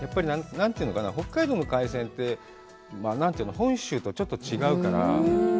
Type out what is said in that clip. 北海道の海鮮って、本州とちょっと違うから。